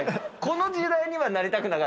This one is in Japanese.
この時代にはなりたくなかった。